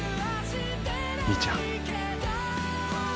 兄ちゃん。